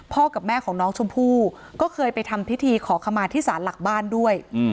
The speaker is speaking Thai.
กับแม่ของน้องชมพู่ก็เคยไปทำพิธีขอขมาที่ศาลหลักบ้านด้วย